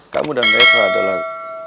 kamu dan rafa adalah